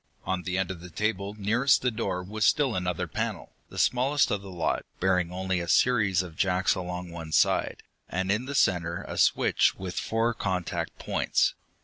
On the end of the table nearest the door was still another panel, the smallest of the lot, bearing only a series of jacks along one side, and in the center a switch with four contact points.